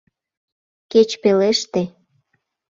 Кеч пелеште